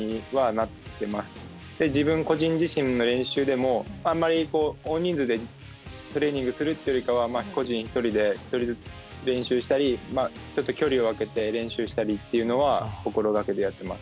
で自分個人自身の練習でもあんまり大人数でトレーニングするっていうよりかは個人一人で一人ずつ練習したりちょっと距離を空けて練習したりっていうのは心がけてやってます。